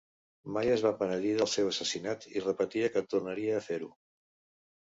Mai es va penedir del seu assassinat i repetia que tornaria a fer-ho.